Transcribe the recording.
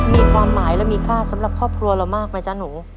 มีความหมายและมีค่าสำหรับครอบครัวเรามากไหมจ๊ะหนู